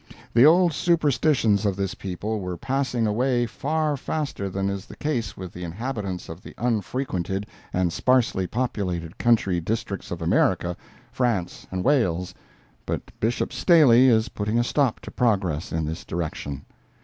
The old superstitions of this people were passing away far faster than is the case with the inhabitants of the unfrequented and sparsely populated country districts of America, France and Wales, but Bishop Staley is putting a stop to progress in this direction.